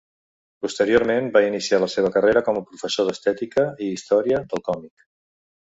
Posteriorment va iniciar la seva carrera com a professor d'estètica i història del còmic.